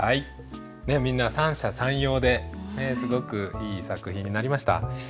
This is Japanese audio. みんな三者三様ですごくいい作品になりました。